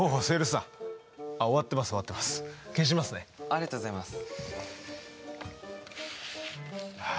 ありがとうございます。